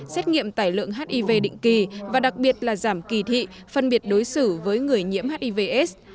xét nghiệm tải lượng hiv định kỳ và đặc biệt là giảm kỳ thị phân biệt đối xử với người nhiễm hivs